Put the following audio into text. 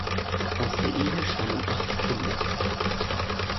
Aus der Ehe stammen acht Kinder